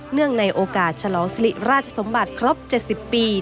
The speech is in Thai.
ในโอกาสฉลองสิริราชสมบัติครบ๗๐ปี